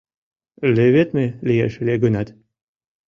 Леведме лиеш ыле гынат